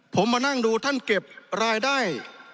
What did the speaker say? ผมมานั่งดูท่านเก็บรายได้